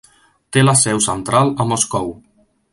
Té la seu central a Moscou.